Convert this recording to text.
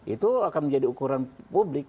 itu akan menjadi ukuran publik